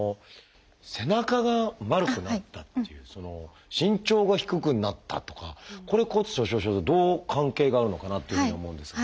「背中が丸くなった」っていう「身長が低くなった」とかこれ骨粗しょう症とどう関係があるのかなっていうふうに思うんですが。